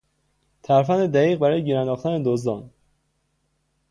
ترفند دقیق برای گیر انداختن دزدان